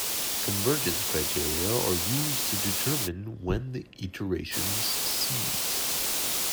Convergence criteria are used to determine when the iterations cease.